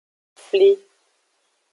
Fli.